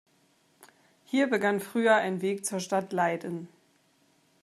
Hier begann früher ein Weg zur Stadt Leiden.